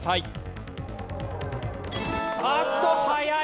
あっと早い！